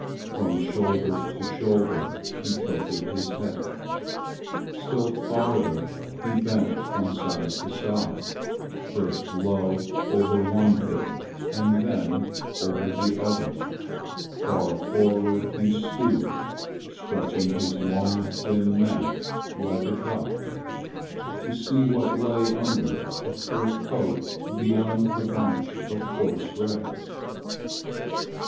From shoulder to shoulder he tilted his head. Still farther he bent from side to side, first low over one hip and then over the other. Far forward he stooped, stretching his long thin neck like a duck, to see what lay under a fur coat beyond the bunch of coarse grass.